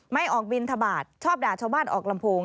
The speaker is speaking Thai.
ไม่ออกบินทบาทชอบด่าชาวบ้านออกลำโพง